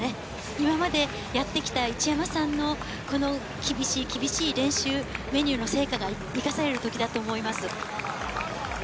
今までやってきた一山さんの厳しい、厳しい練習メニューの成果が生かされるときだと思います。